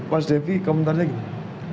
mas devi komentarnya gimana